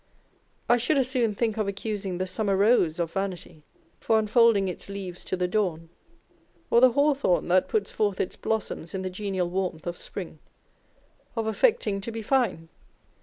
I should as soon think of accusing the summer rose of vanity for unfolding its leaves to the dawn, or the hawthorn that puts forth its blossoms in the genial warmth of spring, of affecting to be fine.